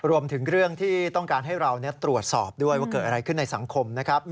รวมถึงเรื่องที่ต้องการให้เราตรวจสอบด้วยว่าเกิดอะไรขึ้นในสังคมนะครับ